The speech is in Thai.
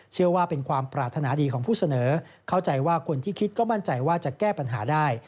เชื่อว่าเป็นความปรารถนาดีของผู้เสนอเข้าใจว่าคนที่คิดก็มั่นใจว่าจะแก้ปัญหาได้